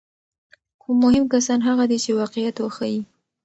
خو مهم کسان هغه دي چې واقعیت وښيي.